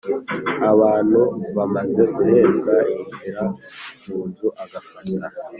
Abantu bamaze guhezwa yinjira mu nzu agafata